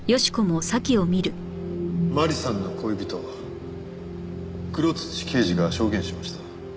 麻里さんの恋人黒土圭司が証言しました。